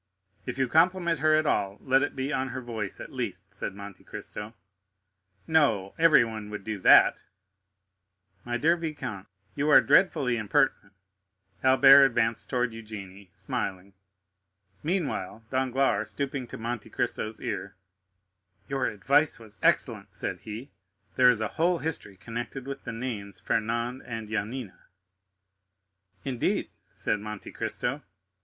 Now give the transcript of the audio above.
"If you compliment her at all, let it be on her voice, at least," said Monte Cristo. "No, everyone would do that." "My dear viscount, you are dreadfully impertinent." Albert advanced towards Eugénie, smiling. Meanwhile, Danglars, stooping to Monte Cristo's ear, "Your advice was excellent," said he; "there is a whole history connected with the names Fernand and Yanina." "Indeed?" said Monte Cristo.